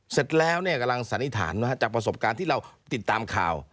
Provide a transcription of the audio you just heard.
เสร็จแล้วกำลังสันนิษฐานว่าจากประสบการณ์ที่เราติดตามข่าว